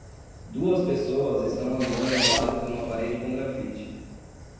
Duas pessoas estão andando ao lado de uma parede com graffiti.